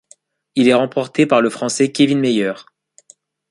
Il est remporté par le Français Kévin Mayer.